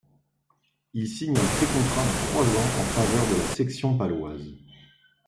Il signe un pré contrat de trois ans en faveur de la Section paloise.